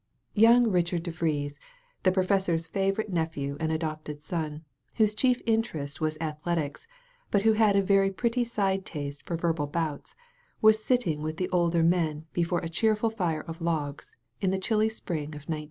'* Young Richard De Vries, the professor's favorite nephew and adopted son, whose chief interest was athletics, but who had a very pretty side taste for verbal bouts, was sitting with the older men before a dieerful fire of logs in the chilly spring of 1917.